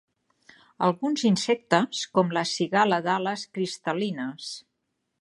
Alguns insectes, com la cigala d'ales cristal·lines.